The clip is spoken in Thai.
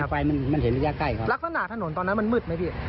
ไฟมันเห็นระยะใกล้ครับลักษณะถนนตอนนั้นมันมืดไหมพี่